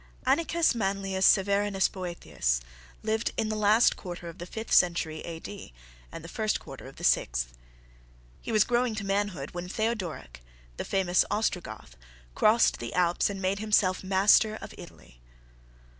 Anicus Manlius Severinus Boethius lived in the last quarter of the fifth century A.D., and the first quarter of the sixth. He was growing to manhood, when Theodoric, the famous Ostrogoth, crossed the Alps and made himself master of Italy.